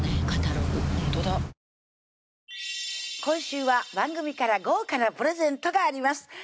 今週は番組から豪華なプレゼントがあります